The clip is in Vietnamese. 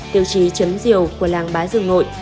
tiêu chí chấm diều của làng bá dương nội